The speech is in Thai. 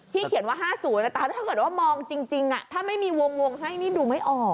เขียนว่า๕๐แต่ถ้าเกิดว่ามองจริงถ้าไม่มีวงให้นี่ดูไม่ออก